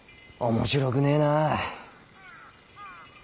面白くねぇなぁ。